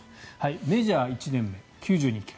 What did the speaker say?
メジャー１年目、９２ｋｇ。